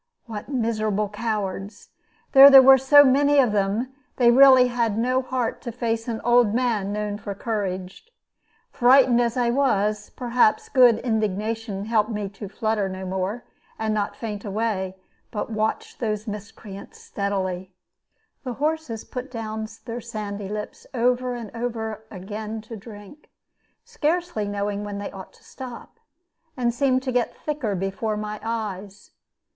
What miserable cowards! Though there were so many of them, they really had no heart to face an old man known for courage. Frightened as I was, perhaps good indignation helped me to flutter no more, and not faint away, but watch those miscreants steadily. The horses put down their sandy lips over and over again to drink, scarcely knowing when they ought to stop, and seemed to get thicker before my eyes.